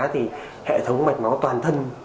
thì hệ thống mạch máu toàn thân